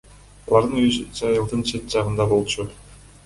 Алардын үйү айылдын чет жагында болчу.